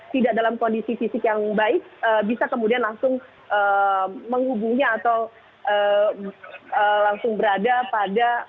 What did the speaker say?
tidak dalam kondisi fisik yang baik bisa kemudian langsung menghubunginya atau langsung berada pada